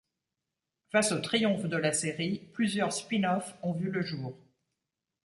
Face au triomphe de la série, plusieurs spin-off ont vu le jour.